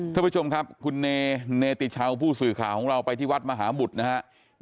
ท่านผู้ชมครับคุณเนติชาวผู้สื่อข่าวของเราไปที่วัดมหาบุตรนะครับ